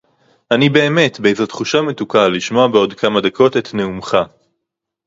אני באמת - באיזו תחושה מתוקה לשמוע בעוד כמה דקות את נאומך